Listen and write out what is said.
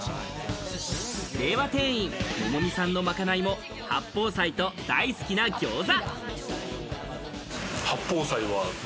令和店員、桃海さんのまかないも八宝菜と大好きなギョーザ。